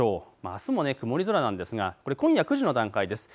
あすも曇り空なんですが今夜９時の段階です。